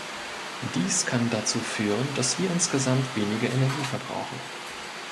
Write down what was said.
Dies kann dazu führen, dass wir insgesamt weniger Energie verbrauchen.